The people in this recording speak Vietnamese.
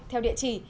theo địa chỉ